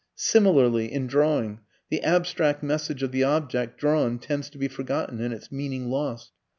Similarly, in drawing, the abstract message of the object drawn tends to be forgotten and its meaning lost.